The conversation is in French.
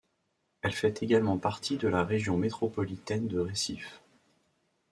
Elle fait également partie de la région métropolitaine de Recife.